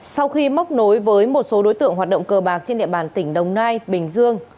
sau khi móc nối với một số đối tượng hoạt động cờ bạc trên địa bàn tỉnh đồng nai bình dương